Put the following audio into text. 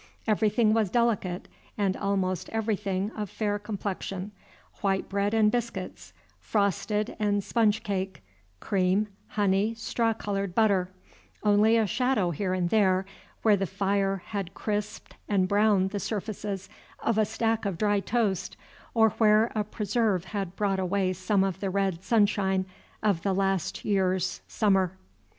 Everything was delicate, and almost everything of fair complexion: white bread and biscuits, frosted and sponge cake, cream, honey, straw colored butter; only a shadow here and there, where the fire had crisped and browned the surfaces of a stack of dry toast, or where a preserve had brought away some of the red sunshine of the last year's summer.